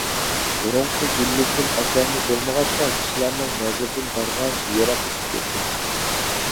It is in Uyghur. بۇرۇنقى گۈللۈكتىن ئەسەرمۇ بولمىغاچقا كىشىلەرنىڭ نەزىرىدىن بارغانچە يىراقلىشىپ كەتتى.